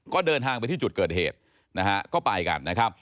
ก็เดินทางไปที่จุดเกิดเหตุนะฮะก็ไปกันนะครับ